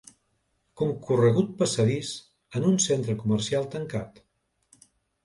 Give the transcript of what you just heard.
Concorregut passadís en un centre comercial tancat.